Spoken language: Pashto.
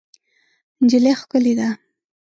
نجلۍ ښکلې ده.